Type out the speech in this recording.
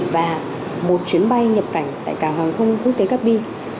và một chuyến bay nhập cảnh tại cảng không quốc tế cáp bi